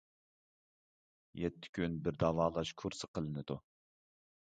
يەتتە كۈن بىر داۋالاش كۇرسى قىلىنىدۇ.